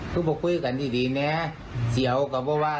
ทุกเป่าคุยกันที่ดีแน่เสียวครับว่า